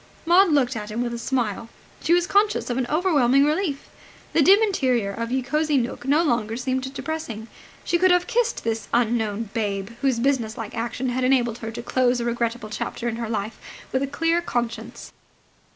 Maud looked at him with a smile. She was conscious of an overwhelming relief. The dim interior of Ye Cosy Nooke no longer seemed depressing. She could have kissed this unknown "Babe" whose businesslike action had enabled her to close a regrettable chapter in her life with a clear conscience.